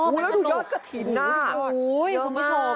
แล้วดูยอดกะถิ่นอ่ะเยอะมาก